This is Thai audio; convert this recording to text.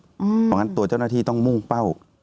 เพราะฉะนั้นตัวเจ้าหน้าที่ต้องมุ่งเป้า